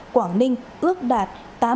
quảng ninh ước đạt